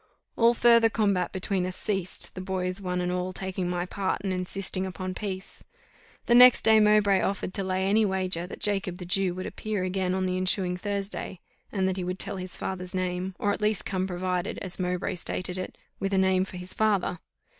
All further combat between us ceased, the boys one and all taking my part and insisting upon peace. The next day Mowbray offered to lay any wager that Jacob the Jew would appear again on the ensuing Thursday; and that he would tell his father's name, or at least come provided, as Mowbray stated it, with a name for his father.